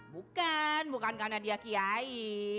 bukan bukan karena dia kiai